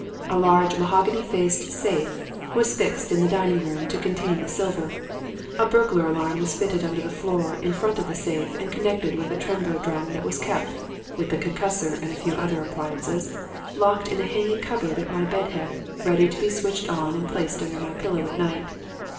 A large, mahogany faced safe was fixed in the dining room to contain the silver; a burglar alarm was fitted under the floor in front of the safe and connected with a trembler drum that was kept (with the concussor and a few other appliances) locked in a hanging cupboard at my bed head, ready to be switched on and placed under my pillow at night.